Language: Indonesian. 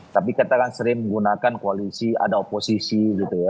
tapi kita kan sering menggunakan koalisi ada oposisi gitu ya